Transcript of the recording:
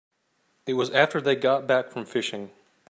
It was after they got back from fishing.